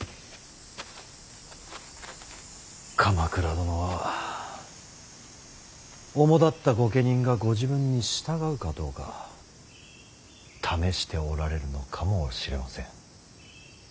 鎌倉殿はおもだった御家人がご自分に従うかどうか試しておられるのかもしれません。